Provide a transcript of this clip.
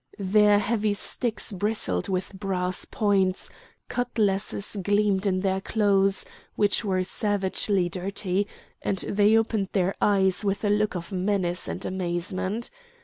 Their heavy sticks bristled with brass points; cutlasses gleamed in their clothes, which were savagely dirty, and they opened their eyes with a look of menace and amazement.